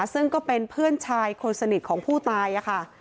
ซึ่งก็เป็นเพื่อนชายคนสนิทของผู้ตายค่ะ